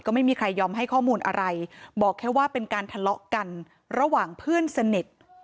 ก็ไม่มีใครยอมให้ข้อมูลอะไรบอกแค่ว่าเป็นการทะเลาะกันระหว่างเพื่อนสนิท